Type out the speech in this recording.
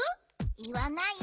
いわない？